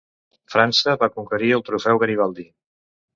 França va conquerir el Trofeu Garibaldi.